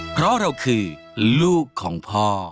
เพราะเราคือลูกของพ่อ